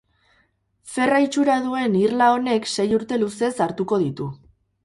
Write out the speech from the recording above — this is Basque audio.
Ferra itxura duen irla honek sei urte luzez hartuko ditu.